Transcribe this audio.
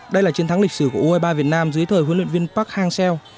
đây là chiến thắng lịch sử của u hai mươi ba việt nam dưới thời huấn luyện viên park hang seo